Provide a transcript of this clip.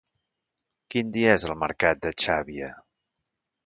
Quin dia és el mercat de Xàbia?